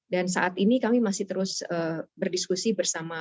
dan saat ini kami masih terus berdiskusi bersama